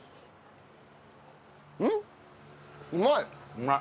うまい！